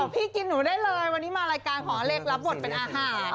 พี่กินหนูได้เลยวันนี้มารายการขอเลขรับบทเป็นอาหาร